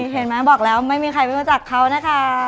เห็นมั้ยบอกแล้วไม่มีใครไปมาจากเขาได้ค่ะ